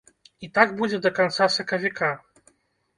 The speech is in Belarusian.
І так будзе да канца сакавіка.